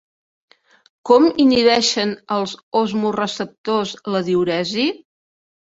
Com inhibeixen els osmoreceptors la diüresi?